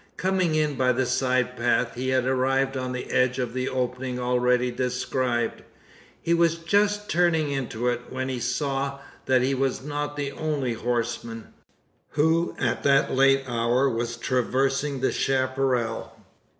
Coming in by a side path, he had arrived on the edge of the opening already described. He was just turning into it, when he saw, that he was not the only horseman, who at that late hour was traversing the chapparal.